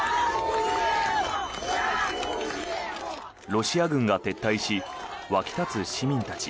ロシア軍が撤退し沸き立つ市民たち。